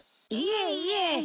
いえいえ。